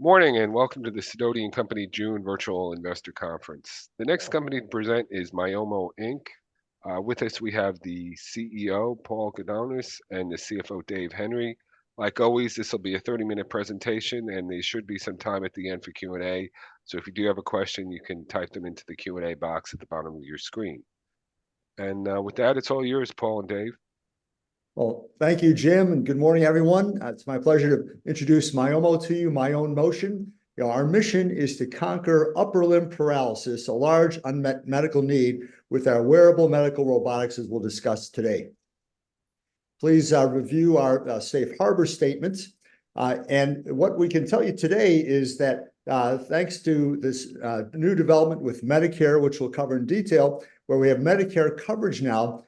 Morning and welcome to the SIDOTI & Company June Virtual Investor Conference. The next company to present is Myomo, Inc. With us, we have the CEO, Paul Gudonis, and the CFO, Dave Henry. Like always, this will be a 30-minute presentation, and there should be some time at the end for Q&A. So if you do have a question, you can type them into the Q&A box at the bottom of your screen. With that, it's all yours, Paul and Dave. Well, thank you, Jim, and good morning, everyone. It's my pleasure to introduce Myomo to you, my own motion. Our mission is to conquer upper limb paralysis, a large unmet medical need with our wearable medical robotics, as we'll discuss today. Please review our safe harbor statements. What we can tell you today is that thanks to this new development with Medicare, which we'll cover in detail, where we have Medicare coverage now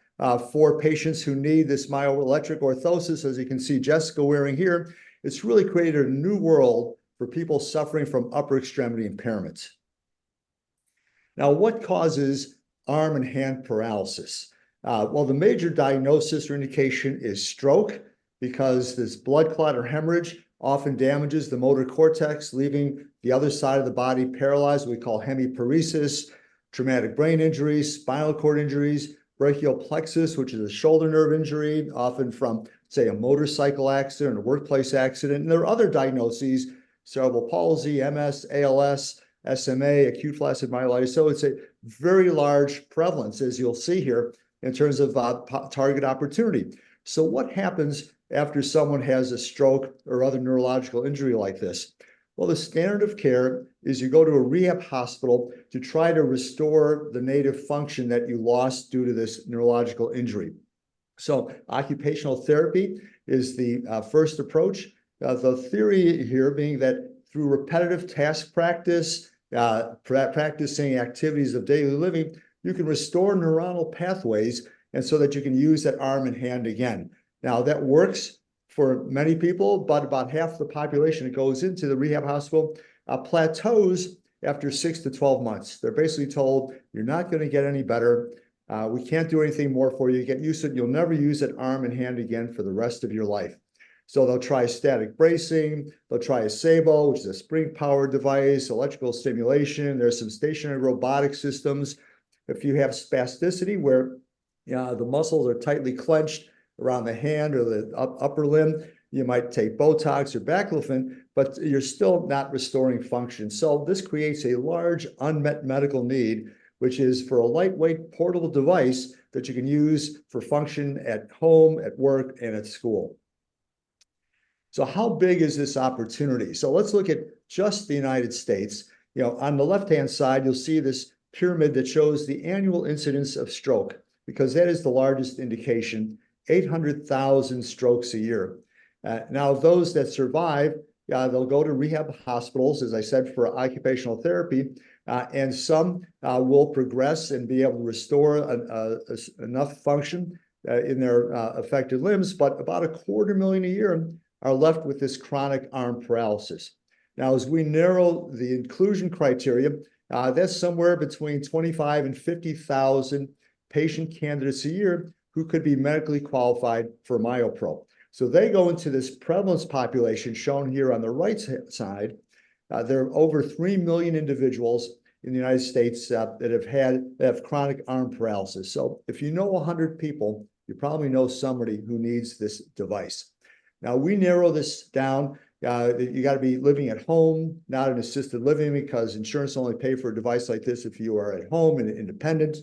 for patients who need this myoelectric orthosis, as you can see Jessica wearing here, it's really created a new world for people suffering from upper extremity impairments. Now, what causes arm and hand paralysis? Well, the major diagnosis or indication is stroke because this blood clot or hemorrhage often damages the motor cortex, leaving the other side of the body paralyzed. We call hemiparesis, traumatic brain injuries, spinal cord injuries, brachial plexus, which is a shoulder nerve injury, often from, say, a motorcycle accident or a workplace accident. There are other diagnoses: cerebral palsy, MS, ALS, SMA, acute flaccid myelitis. It's a very large prevalence, as you'll see here, in terms of target opportunity. What happens after someone has a stroke or other neurological injury like this? Well, the standard of care is you go to a rehab hospital to try to restore the native function that you lost due to this neurological injury. Occupational therapy is the first approach, the theory here being that through repetitive task practice, practicing activities of daily living, you can restore neuronal pathways so that you can use that arm and hand again. Now, that works for many people, but about half the population that goes into the rehab hospital plateaus after six-12 months. They're basically told, "You're not going to get any better. We can't do anything more for you. Get used to it. You'll never use that arm and hand again for the rest of your life." So they'll try static bracing. They'll try a Saebo, which is a spring-powered device, electrical stimulation. There are some stationary robotic systems. If you have spasticity where the muscles are tightly clenched around the hand or the upper limb, you might take Botox or Baclofen, but you're still not restoring function. So this creates a large unmet medical need, which is for a lightweight, portable device that you can use for function at home, at work, and at school. So how big is this opportunity? So let's look at just the United States. On the left-hand side, you'll see this pyramid that shows the annual incidence of stroke because that is the largest indication: 800,000 strokes a year. Now, those that survive, they'll go to rehab hospitals, as I said, for occupational therapy, and some will progress and be able to restore enough function in their affected limbs, but about 250,000 a year are left with this chronic arm paralysis. Now, as we narrow the inclusion criteria, that's somewhere between 25,000 and 50,000 patient candidates a year who could be medically qualified for MyoPro. So they go into this prevalence population shown here on the right side. There are over 3 million individuals in the United States that have had chronic arm paralysis. So if you know 100 people, you probably know somebody who needs this device. Now, we narrow this down. You got to be living at home, not in assisted living, because insurance only pays for a device like this if you are at home and independent.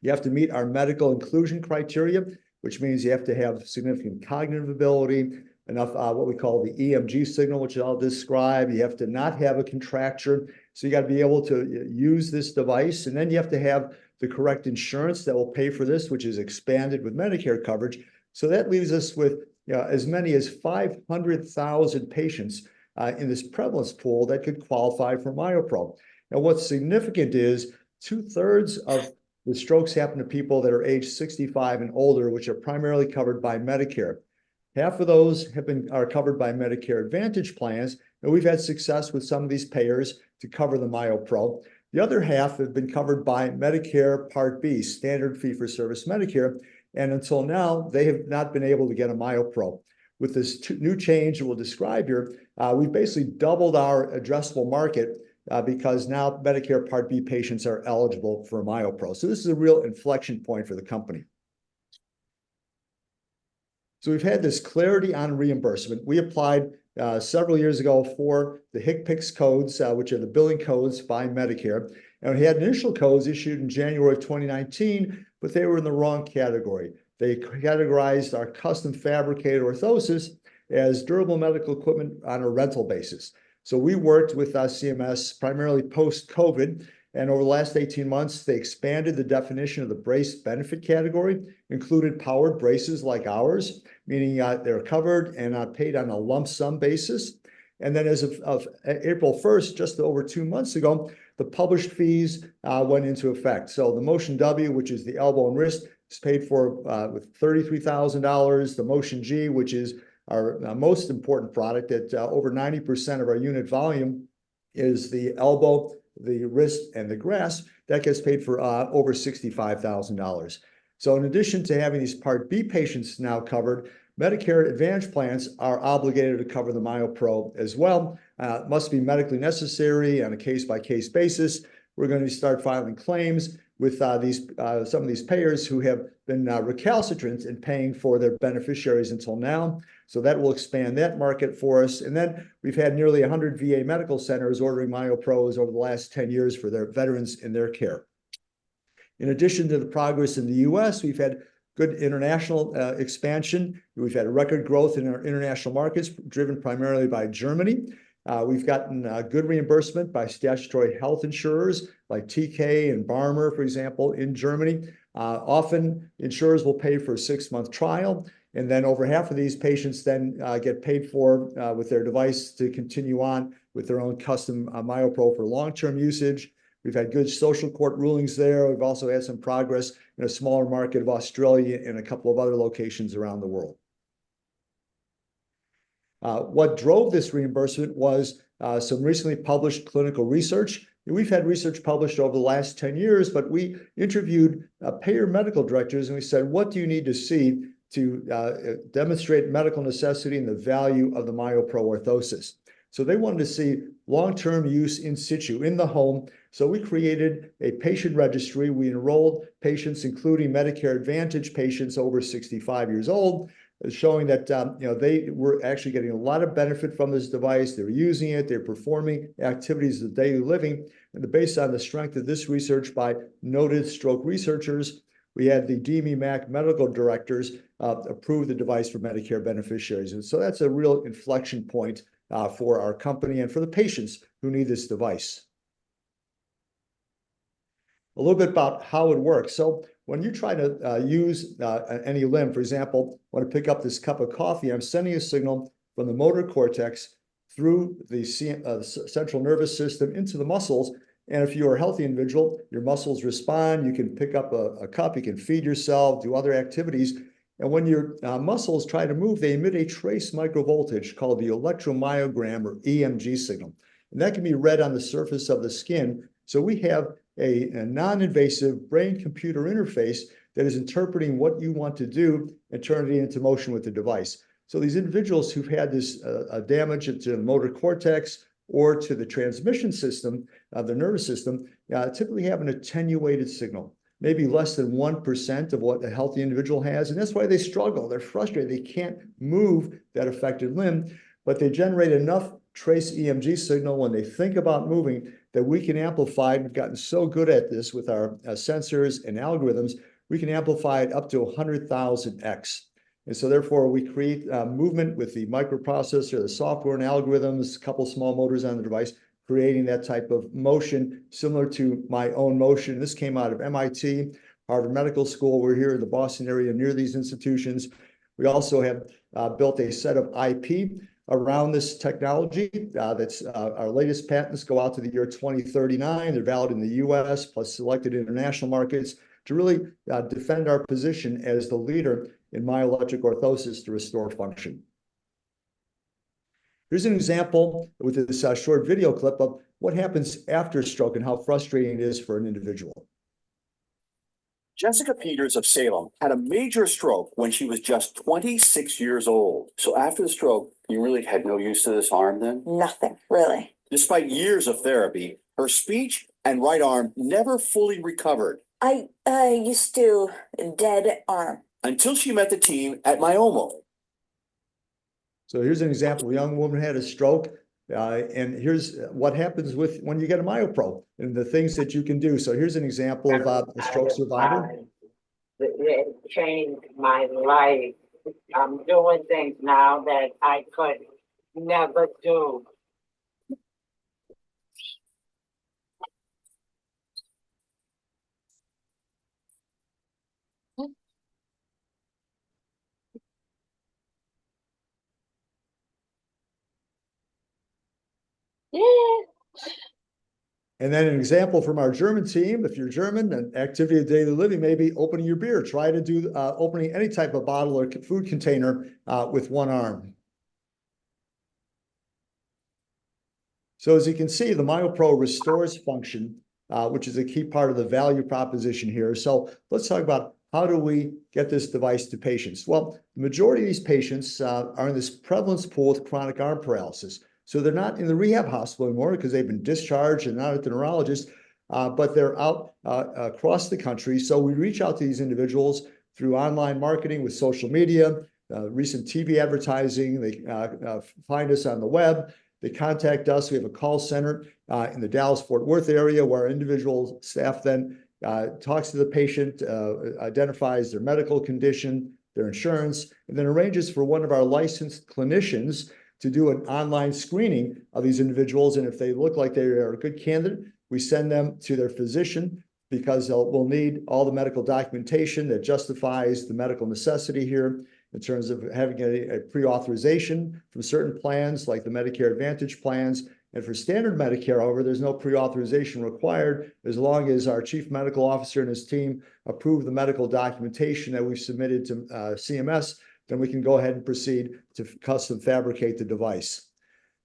You have to meet our medical inclusion criteria, which means you have to have significant cognitive ability, enough what we call the EMG signal, which I'll describe. You have to not have a contracture. So you got to be able to use this device. And then you have to have the correct insurance that will pay for this, which is expanded with Medicare coverage. So that leaves us with as many as 500,000 patients in this prevalence pool that could qualify for MyoPro. Now, what's significant is 2/3 of the strokes happen to people that are aged 65 and older, which are primarily covered by Medicare. Half of those have been covered by Medicare Advantage plans. We've had success with some of these payers to cover the MyoPro. The other half have been covered by Medicare Part B, Standard Fee-for-Service Medicare. Until now, they have not been able to get a MyoPro. With this new change we'll describe here, we've basically doubled our addressable market because now Medicare Part B patients are eligible for MyoPro. This is a real inflection point for the company. We've had this clarity on reimbursement. We applied several years ago for the HCPCS codes, which are the billing codes by Medicare. Now, we had initial codes issued in January of 2019, but they were in the wrong category. They categorized our custom fabricated orthosis as durable medical equipment on a rental basis. So we worked with CMS primarily post-COVID. Over the last 18 months, they expanded the definition of the brace benefit category, included powered braces like ours, meaning they're covered and paid on a lump sum basis. Then as of April 1st, just over two months ago, the published fees went into effect. The Motion W, which is the elbow and wrist, is paid for with $33,000. The Motion G, which is our most important product at over 90% of our unit volume, is the elbow, the wrist, and the grasp that gets paid for over $65,000. In addition to having these Part B patients now covered, Medicare Advantage plans are obligated to cover the MyoPro as well. It must be medically necessary on a case-by-case basis. We're going to start filing claims with some of these payers who have been recalcitrant in paying for their beneficiaries until now. So that will expand that market for us. Then we've had nearly 100 VA medical centers ordering MyoPros over the last 10 years for their veterans in their care. In addition to the progress in the U.S., we've had good international expansion. We've had record growth in our international markets driven primarily by Germany. We've gotten good reimbursement by statutory health insurers like TK and Barmer, for example, in Germany. Often insurers will pay for a six-month trial. Then over half of these patients then get paid for with their device to continue on with their own custom MyoPro for long-term usage. We've had good social court rulings there. We've also had some progress in a smaller market of Australia and a couple of other locations around the world. What drove this reimbursement was some recently published clinical research. We've had research published over the last 10 years, but we interviewed payer medical directors and we said, "What do you need to see to demonstrate medical necessity and the value of the MyoPro Orthosis?" So they wanted to see long-term use in situ in the home. So we created a patient registry. We enrolled patients, including Medicare Advantage patients over 65 years old, showing that they were actually getting a lot of benefit from this device. They're using it. They're performing activities of daily living. And based on the strength of this research by noted stroke researchers, we had the DME MAC medical directors approve the device for Medicare beneficiaries. And so that's a real inflection point for our company and for the patients who need this device. A little bit about how it works. So when you try to use any limb, for example, want to pick up this cup of coffee, I'm sending a signal from the motor cortex through the central nervous system into the muscles. And if you're a healthy individual, your muscles respond. You can pick up a cup. You can feed yourself, do other activities. And when your muscles try to move, they emit a trace microvoltage called the electromyogram or EMG signal. And that can be read on the surface of the skin. So we have a non-invasive brain-computer interface that is interpreting what you want to do and turning it into motion with the device. So these individuals who've had this damage to the motor cortex or to the transmission system, the nervous system, typically have an attenuated signal, maybe less than 1% of what a healthy individual has. And that's why they struggle. They're frustrated. They can't move that affected limb. But they generate enough trace EMG signal when they think about moving that we can amplify. We've gotten so good at this with our sensors and algorithms, we can amplify it up to 100,000x. And so therefore, we create movement with the microprocessor, the software and algorithms, a couple of small motors on the device, creating that type of motion similar to my own motion. This came out of MIT, Harvard Medical School. We're here in the Boston area near these institutions. We also have built a set of IP around this technology. Our latest patents go out to the year 2039. They're valid in the U.S., plus selected international markets to really defend our position as the leader in myoelectric orthosis to restore function. Here's an example with this short video clip of what happens after a stroke and how frustrating it is for an individual. Jessica Peters of Salem had a major stroke when she was just 26 years old. So after the stroke, you really had no use of this arm then? Nothing, really. Despite years of therapy, her speech and right arm never fully recovered. I used to dead arm. Until she met the team at Myomo. Here's an example. A young woman had a stroke. Here's what happens when you get a MyoPro and the things that you can do. Here's an example about the stroke survival. It changed my life. I'm doing things now that I could never do. Then an example from our German team. If you're German, an activity of daily living may be opening your beer. Try to do opening any type of bottle or food container with one arm. So as you can see, the MyoPro restores function, which is a key part of the value proposition here. So let's talk about how do we get this device to patients. Well, the majority of these patients are in this prevalence pool with chronic arm paralysis. So they're not in the rehab hospital anymore because they've been discharged and not with the neurologist, but they're out across the country. So we reach out to these individuals through online marketing with social media, recent TV advertising. They find us on the web. They contact us. We have a call center in the Dallas-Fort Worth area where individual staff then talks to the patient, identifies their medical condition, their insurance, and then arranges for one of our licensed clinicians to do an online screening of these individuals. If they look like they are a good candidate, we send them to their physician because they'll need all the medical documentation that justifies the medical necessity here in terms of having a pre-authorization from certain plans like the Medicare Advantage plans. For standard Medicare, however, there's no pre-authorization required. As long as our Chief Medical Officer and his team approve the medical documentation that we've submitted to CMS, then we can go ahead and proceed to custom fabricate the device.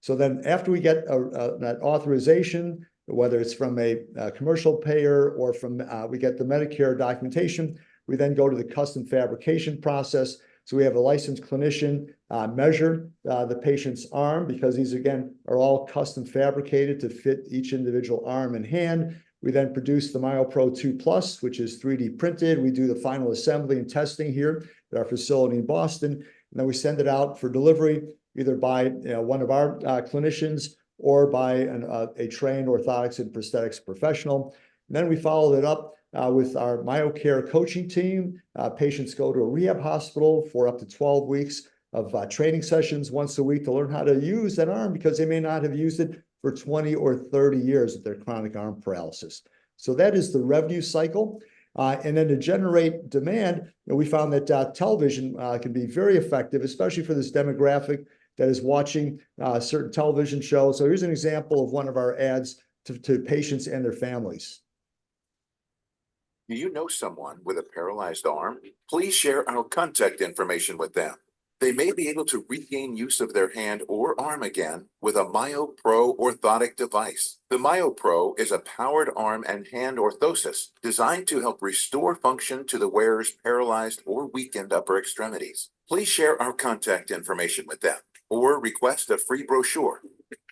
So then after we get that authorization, whether it's from a commercial payer or from we get the Medicare documentation, we then go to the custom fabrication process. So we have a licensed clinician measure the patient's arm because these, again, are all custom fabricated to fit each individual arm and hand. We then produce the MyoPro 2+, which is 3D printed. We do the final assembly and testing here at our facility in Boston. And then we send it out for delivery either by one of our clinicians or by a trained orthotics and prosthetics professional. Then we follow that up with our MyoCare coaching team. Patients go to a rehab hospital for up to 12 weeks of training sessions once a week to learn how to use that arm because they may not have used it for 20 or 30 years with their chronic arm paralysis. That is the revenue cycle. Then to generate demand, we found that television can be very effective, especially for this demographic that is watching certain television shows. Here's an example of one of our ads to patients and their families. Do you know someone with a paralyzed arm? Please share our contact information with them. They may be able to regain use of their hand or arm again with a MyoPro orthotic device. The MyoPro is a powered arm and hand orthosis designed to help restore function to the wearer's paralyzed or weakened upper extremities. Please share our contact information with them or request a free brochure.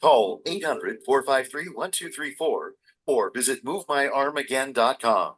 Call 800-453-1234 or visit movemyarmagain.com.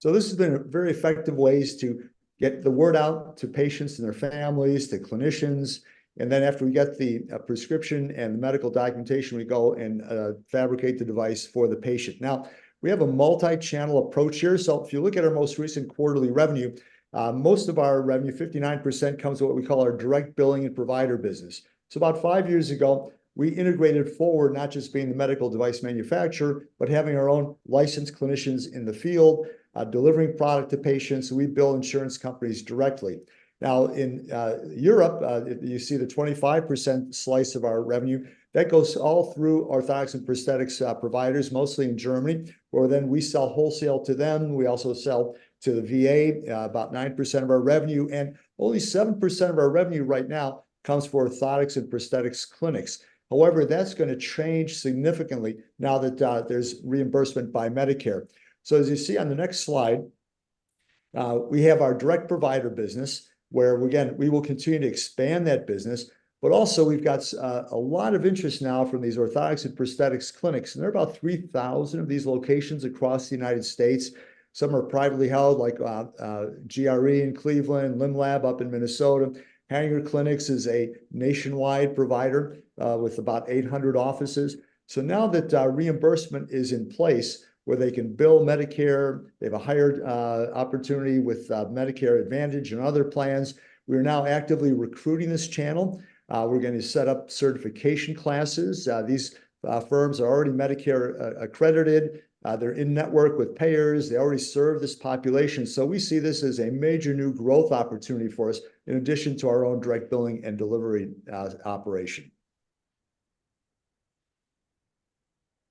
So this has been very effective ways to get the word out to patients and their families, to clinicians. Then after we get the prescription and the medical documentation, we go and fabricate the device for the patient. Now, we have a multi-channel approach here. So if you look at our most recent quarterly revenue, most of our revenue, 59%, comes to what we call our direct billing and provider business. So about five years ago, we integrated forward not just being the medical device manufacturer, but having our own licensed clinicians in the field delivering product to patients. We bill insurance companies directly. Now, in Europe, you see the 25% slice of our revenue. That goes all through orthotics and prosthetics providers, mostly in Germany, where then we sell wholesale to them. We also sell to the VA about 9% of our revenue. Only 7% of our revenue right now comes for orthotics and prosthetics clinics. However, that's going to change significantly now that there's reimbursement by Medicare. So as you see on the next slide, we have our direct provider business where, again, we will continue to expand that business. But also we've got a lot of interest now from these orthotics and prosthetics clinics. There are about 3,000 of these locations across the United States. Some are privately held, like G.R.E. in Cleveland, Limb Lab up in Minnesota. Hanger Clinics is a nationwide provider with about 800 offices. Now that reimbursement is in place where they can bill Medicare, they have a higher opportunity with Medicare Advantage and other plans. We are now actively recruiting this channel. We're going to set up certification classes. These firms are already Medicare accredited. They're in network with payers. They already serve this population. So we see this as a major new growth opportunity for us in addition to our own direct billing and delivery operation.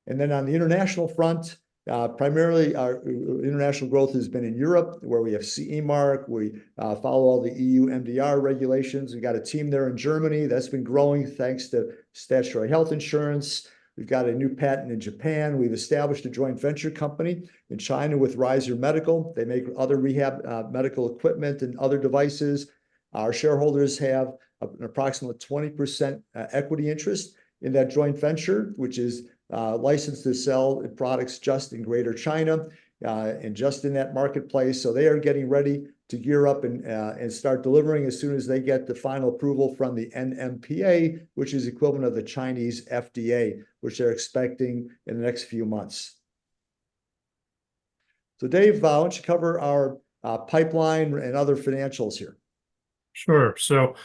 And then on the international front, primarily our international growth has been in Europe, where we have CE Mark. We follow all the EU MDR regulations. We've got a team there in Germany that's been growing thanks to statutory health insurance. We've got a new patent in Japan. We've established a joint venture company in China with Riser Medical. They make other rehab medical equipment and other devices. Our shareholders have an approximate 20% equity interest in that joint venture, which is licensed to sell products just in Greater China and just in that marketplace. So they are getting ready to gear up and start delivering as soon as they get the final approval from the NMPA, which is the equivalent of the Chinese FDA, which they're expecting in the next few months. So Dave Henry, you cover our pipeline and other financials here. Sure. So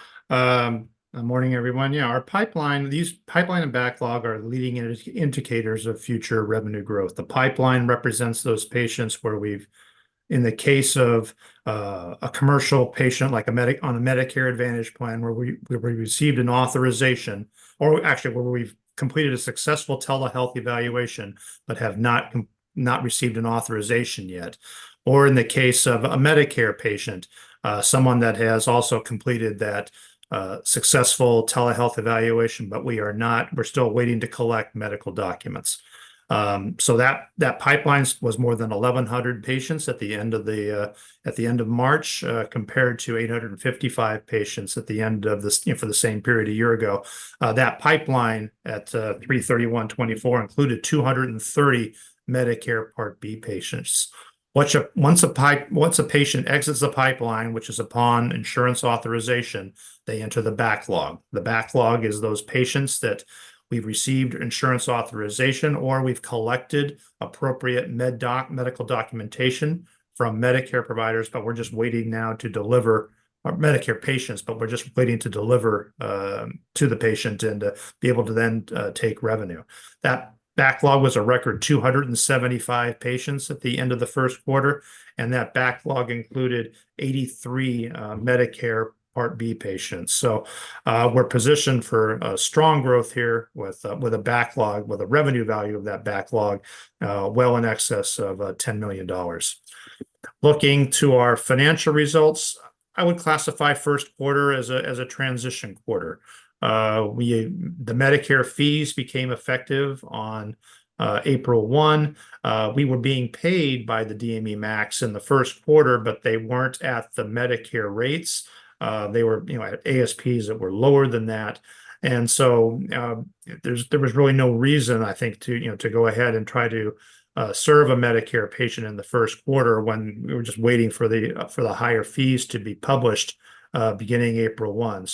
good morning, everyone. Yeah, our pipeline, this pipeline and backlog are leading indicators of future revenue growth. The pipeline represents those patients where we've, in the case of a commercial patient like on a Medicare Advantage plan, where we received an authorization, or actually where we've completed a successful telehealth evaluation, but have not received an authorization yet. Or in the case of a Medicare patient, someone that has also completed that successful telehealth evaluation, but we're still waiting to collect medical documents. So that pipeline was more than 1,100 patients at the end of March, compared to 855 patients at the end of the same period a year ago. That pipeline at 3/31/2024 included 230 Medicare Part B patients. Once a patient exits the pipeline, which is upon insurance authorization, they enter the backlog. The backlog is those patients that we've received insurance authorization or we've collected appropriate medical documentation from Medicare providers, but we're just waiting now to deliver Medicare patients, but we're just waiting to deliver to the patient and be able to then take revenue. That backlog was a record 275 patients at the end of the first quarter. That backlog included 83 Medicare Part B patients. We're positioned for strong growth here with a backlog, with a revenue value of that backlog well in excess of $10 million. Looking to our financial results, I would classify first quarter as a transition quarter. The Medicare fees became effective on April 1. We were being paid by the DME MAC in the first quarter, but they weren't at the Medicare rates. They were at ASPs that were lower than that. So there was really no reason, I think, to go ahead and try to serve a Medicare patient in the first quarter when we were just waiting for the higher fees to be published beginning April 1.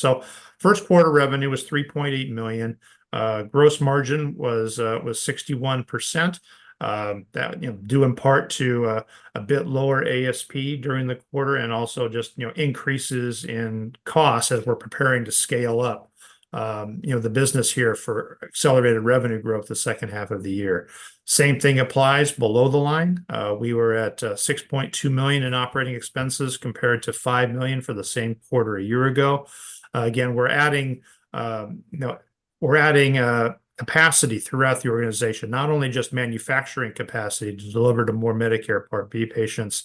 First quarter revenue was $3.8 million. Gross margin was 61%. That due in part to a bit lower ASP during the quarter and also just increases in costs as we're preparing to scale up the business here for accelerated revenue growth the second half of the year. Same thing applies below the line. We were at $6.2 million in operating expenses compared to $5 million for the same quarter a year ago. Again, we're adding capacity throughout the organization, not only just manufacturing capacity to deliver to more Medicare Part B patients,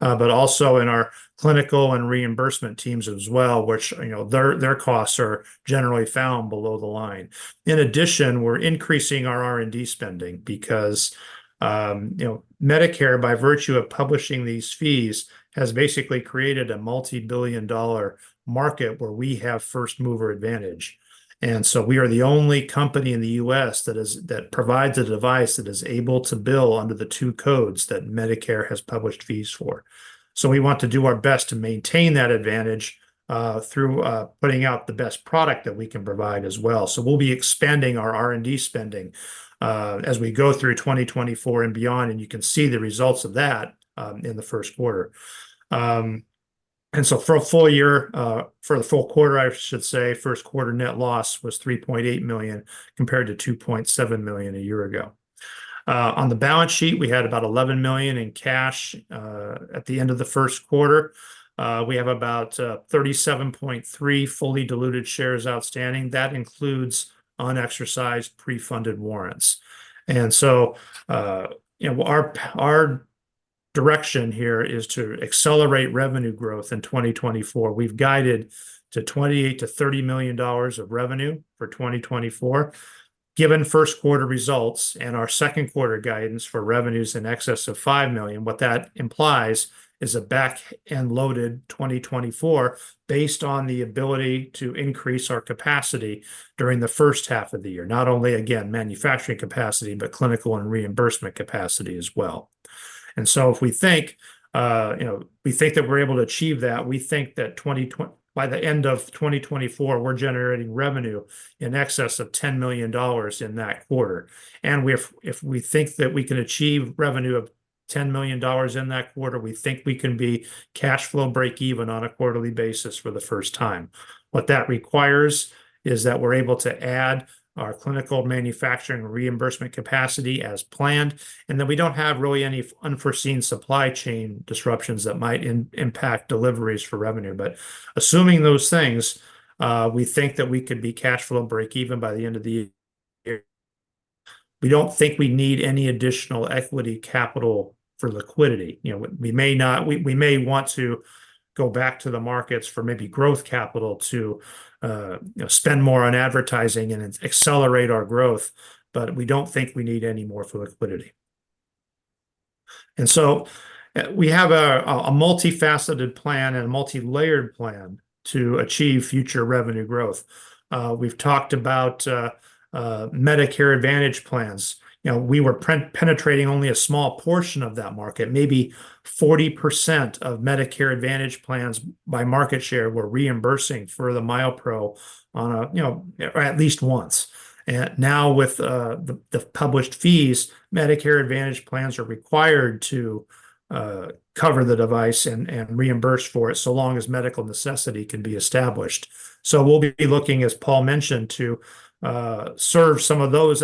but also in our clinical and reimbursement teams as well, which their costs are generally found below the line. In addition, we're increasing our R&D spending because Medicare, by virtue of publishing these fees, has basically created a multi-billion dollar market where we have first mover advantage. And so we are the only company in the U.S. that provides a device that is able to bill under the two codes that Medicare has published fees for. So we want to do our best to maintain that advantage through putting out the best product that we can provide as well. So we'll be expanding our R&D spending as we go through 2024 and beyond, and you can see the results of that in the first quarter. And so for a full year, for the full quarter, I should say, first quarter net loss was $3.8 million compared to $2.7 million a year ago. On the balance sheet, we had about $11 million in cash at the end of the first quarter. We have about 37.3 fully diluted shares outstanding. That includes unexercised pre-funded warrants. Our direction here is to accelerate revenue growth in 2024. We've guided to $28 million-$30 million of revenue for 2024. Given first quarter results and our second quarter guidance for revenues in excess of $5 million, what that implies is a back-end loaded 2024 based on the ability to increase our capacity during the first half of the year. Not only, again, manufacturing capacity, but clinical and reimbursement capacity as well. If we think that we're able to achieve that, we think that by the end of 2024, we're generating revenue in excess of $10 million in that quarter. If we think that we can achieve revenue of $10 million in that quarter, we think we can be cash flow break even on a quarterly basis for the first time. What that requires is that we're able to add our clinical manufacturing reimbursement capacity as planned. And then we don't have really any unforeseen supply chain disruptions that might impact deliveries for revenue. But assuming those things, we think that we could be cash flow break even by the end of the year. We don't think we need any additional equity capital for liquidity. We may want to go back to the markets for maybe growth capital to spend more on advertising and accelerate our growth, but we don't think we need any more for liquidity. And so we have a multifaceted plan and a multi-layered plan to achieve future revenue growth. We've talked about Medicare Advantage plans. We were penetrating only a small portion of that market. Maybe 40% of Medicare Advantage plans by market share were reimbursing for the MyoPro at least once. And now with the published fees, Medicare Advantage plans are required to cover the device and reimburse for it so long as medical necessity can be established. So we'll be looking, as Paul mentioned, to serve some of those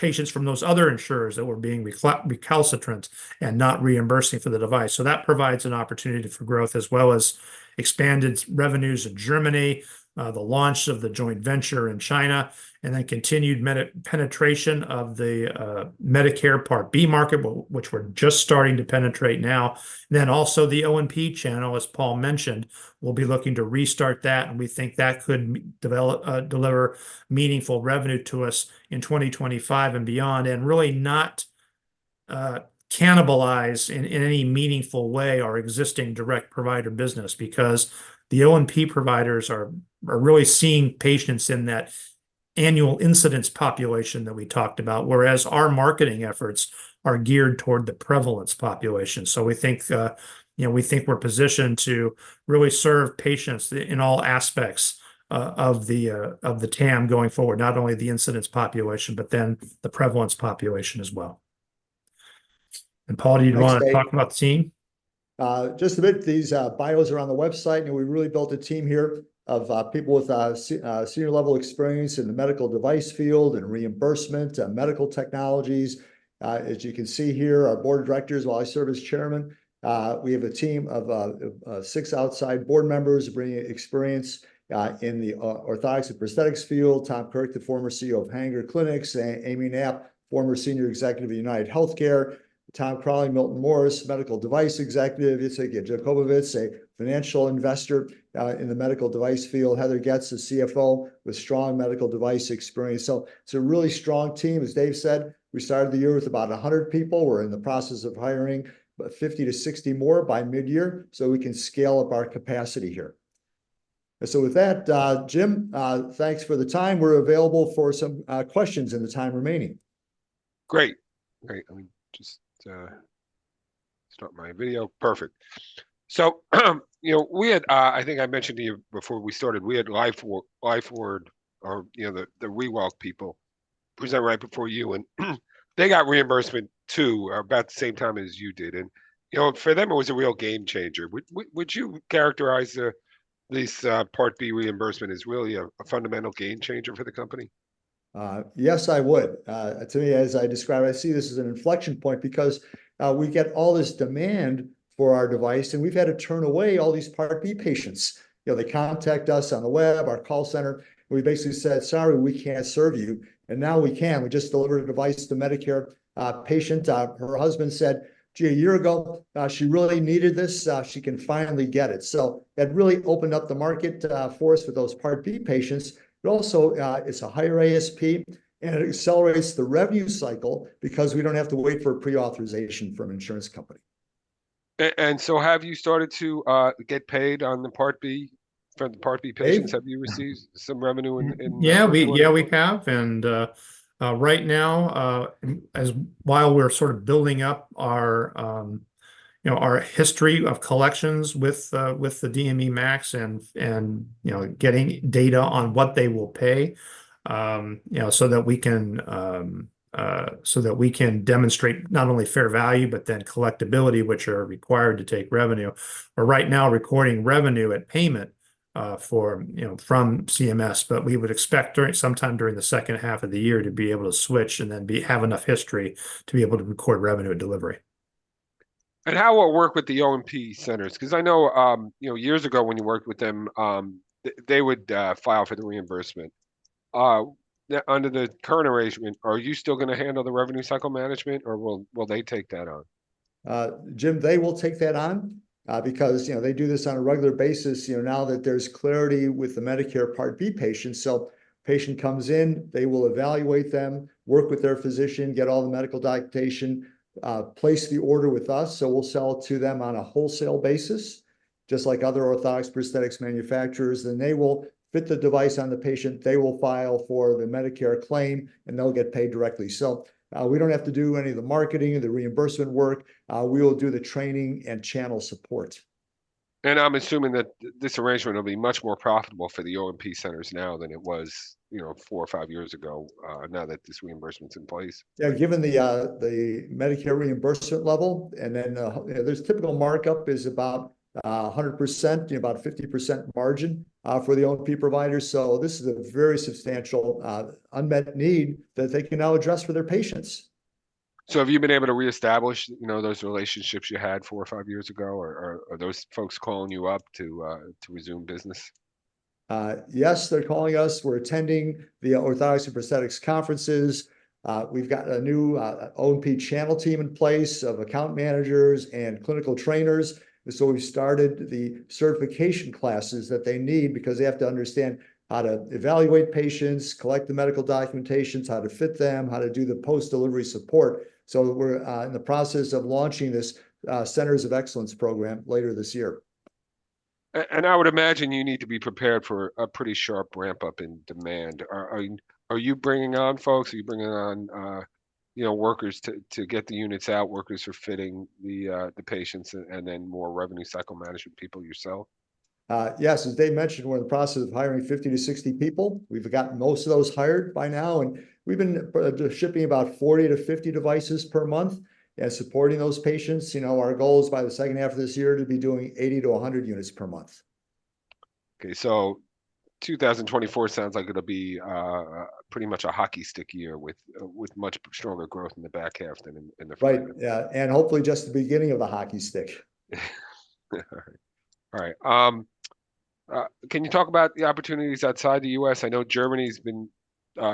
patients from those other insurers that were being recalcitrant and not reimbursing for the device. So that provides an opportunity for growth as well as expanded revenues in Germany, the launch of the joint venture in China, and then continued penetration of the Medicare Part B market, which we're just starting to penetrate now. Then also the OMP channel, as Paul mentioned, we'll be looking to restart that. We think that could deliver meaningful revenue to us in 2025 and beyond and really not cannibalize in any meaningful way our existing direct provider business because the O&P providers are really seeing patients in that annual incidence population that we talked about, whereas our marketing efforts are geared toward the prevalence population. We think we're positioned to really serve patients in all aspects of the TAM going forward, not only the incidence population, but then the prevalence population as well. Paul, do you want to talk about the team? Just a bit. These bios are on the website. We really built a team here of people with senior-level experience in the medical device field and reimbursement and medical technologies. As you can see here, our board of directors, while I serve as chairman, we have a team of six outside board members bringing experience in the orthotics and prosthetics field. Tom Kirk, the former CEO of Hanger Clinic. Amy Knapp, former senior executive at UnitedHealthcare. Tom Crowley, Milton Morris, medical device executive. Yacov Jacobovich, a financial investor in the medical device field. Heather Getz, the CFO with strong medical device experience. So it's a really strong team. As Dave said, we started the year with about 100 people. We're in the process of hiring 50-60 more by mid-year so we can scale up our capacity here. And so with that, Jim, thanks for the time. We're available for some questions in the time remaining. Great. Great. Let me just start my video. Perfect. I think I mentioned to you before we started, we had Lifeward or the ReWalk people present right before you, and they got reimbursement too about the same time as you did. For them, it was a real game changer. Would you characterize this Part B reimbursement as really a fundamental game changer for the company? Yes, I would. To me, as I describe, I see this as an inflection point because we get all this demand for our device, and we've had to turn away all these Part B patients. They contact us on the web, our call center. We basically said, "Sorry, we can't serve you." And now we can. We just delivered a device to a Medicare patient. Her husband said, "Gee, a year ago, she really needed this. She can finally get it." So that really opened up the market for us for those Part B patients. But also, it's a higher ASP, and it accelerates the revenue cycle because we don't have to wait for pre-authorization from an insurance company. Have you started to get paid on the Part B for the Part B patients? Have you received some revenue in? Yeah, we have. And right now, while we're sort of building up our history of collections with the DME MAC and getting data on what they will pay so that we can demonstrate not only fair value, but then collectibility, which are required to take revenue. We're right now recording revenue at payment from CMS, but we would expect sometime during the second half of the year to be able to switch and then have enough history to be able to record revenue at delivery. How will it work with the OMP centers? Because I know years ago when you worked with them, they would file for the reimbursement. Under the current arrangement, are you still going to handle the revenue cycle management, or will they take that on? Jim, they will take that on because they do this on a regular basis now that there's clarity with the Medicare Part B patients. So patient comes in, they will evaluate them, work with their physician, get all the medical documentation, place the order with us. So we'll sell to them on a wholesale basis, just like other orthotics prosthetics manufacturers. Then they will fit the device on the patient. They will file for the Medicare claim, and they'll get paid directly. So we don't have to do any of the marketing, the reimbursement work. We will do the training and channel support. And I'm assuming that this arrangement will be much more profitable for the OMP centers now than it was 4 or 5 years ago now that this reimbursement's in place. Yeah, given the Medicare reimbursement level, and then there's typical markup is about 100%, about 50% margin for the O&P providers. So this is a very substantial unmet need that they can now address for their patients. Have you been able to reestablish those relationships you had 4 or 5 years ago, or are those folks calling you up to resume business? Yes, they're calling us. We're attending the orthotics and prosthetics conferences. We've got a new OMP channel team in place of account managers and clinical trainers. And so we've started the certification classes that they need because they have to understand how to evaluate patients, collect the medical documentations, how to fit them, how to do the post-delivery support. So we're in the process of launching this Centers of Excellence program later this year. I would imagine you need to be prepared for a pretty sharp ramp-up in demand. Are you bringing on folks? Are you bringing on workers to get the units out? Workers are fitting the patients and then more revenue cycle management people yourself? Yes. As Dave mentioned, we're in the process of hiring 50-60 people. We've gotten most of those hired by now. We've been shipping about 40-50 devices per month and supporting those patients. Our goal is by the second half of this year to be doing 80-100 units per month. Okay. So 2024 sounds like it'll be pretty much a hockey stick year with much stronger growth in the back half than in the front half. Right. Yeah. And hopefully just the beginning of the hockey stick. All right. Can you talk about the opportunities outside the U.S.? I know Germany's been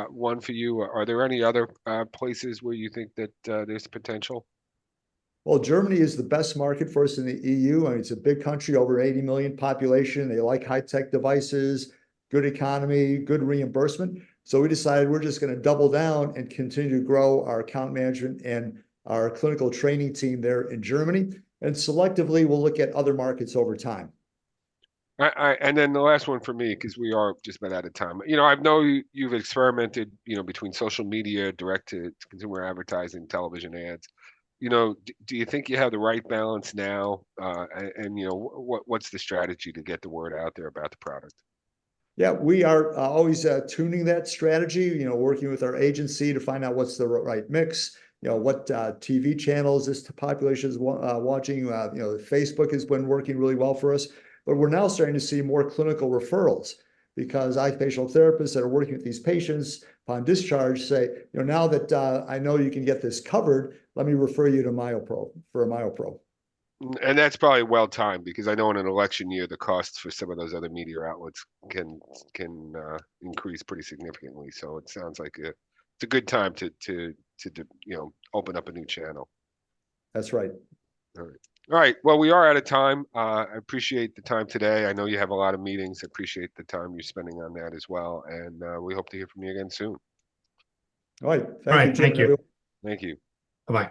one for you. Are there any other places where you think that there's potential? Well, Germany is the best market for us in the EU. I mean, it's a big country, over 80 million population. They like high-tech devices, good economy, good reimbursement. So we decided we're just going to double down and continue to grow our account management and our clinical training team there in Germany. Selectively, we'll look at other markets over time. All right. Then the last one for me because we are just about out of time. I know you've experimented between social media, direct-to-consumer advertising, television ads. Do you think you have the right balance now? What's the strategy to get the word out there about the product? Yeah. We are always tuning that strategy, working with our agency to find out what's the right mix, what TV channels this population is watching. Facebook has been working really well for us. But we're now starting to see more clinical referrals because occupational therapists that are working with these patients upon discharge say, "Now that I know you can get this covered, let me refer you to MyoPro for a MyoPro. That's probably well-timed because I know in an election year, the costs for some of those other media outlets can increase pretty significantly. It sounds like it's a good time to open up a new channel. That's right. All right. All right. Well, we are out of time. I appreciate the time today. I know you have a lot of meetings. I appreciate the time you're spending on that as well. And we hope to hear from you again soon. All right. Thank you. All right. Thank you. Thank you. Bye-bye.